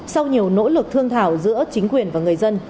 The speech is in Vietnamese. sau nhiều nỗ lực thương thảo giữa chính quyền và người dân